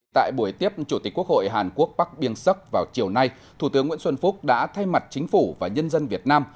tại buổi tiếp chủ tịch quốc hội hàn quốc bắc biên sắc vào chiều nay thủ tướng nguyễn xuân phúc đã thay mặt chính phủ và nhân dân việt nam